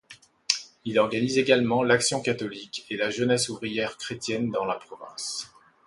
Il organise également l'Action catholique et la Jeunesse ouvrière chrétienne dans la province.